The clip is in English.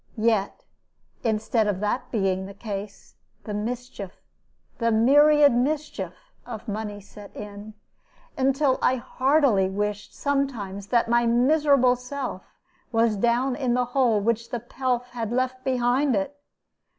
Yet, instead of that being the case, the mischief, the myriad mischief, of money set in, until I heartily wished sometimes that my miserable self was down in the hole which the pelf had left behind it.